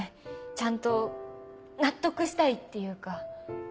ちゃんと納得したいっていうか。